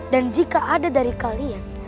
dan jika ada dari kalian